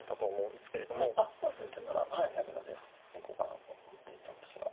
あっまあ先手ならはい矢倉で行こうかなと思っていたんですが。